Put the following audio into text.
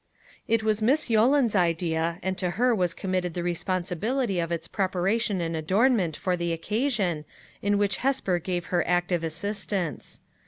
It was Miss Yolland's idea, and to her was committed the responsibility of its preparation and adornment for the occasion, in which Hesper gave her active assistance.